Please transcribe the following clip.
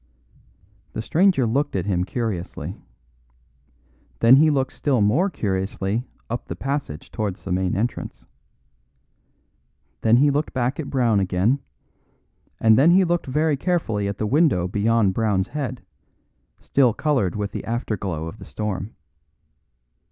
The stranger looked at him curiously. Then he looked still more curiously up the passage towards the main entrance. Then he looked back at Brown again, and then he looked very carefully at the window beyond Brown's head, still coloured with the after glow of the storm.